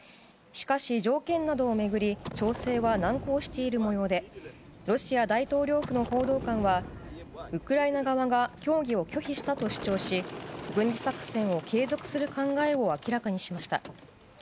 しかし、条件などを巡り調整は難航している模様でロシア大統領府の報道官はウクライナ側が協議を拒否したと主張し軍事作戦を継続する考えを明らかにしました。